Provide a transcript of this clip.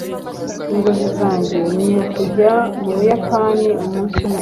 inzozi zanjye ni ukujya mu buyapani umunsi umwe